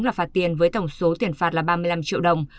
là phạt tiền với tổng số tiền phạt là ba mươi năm triệu đồng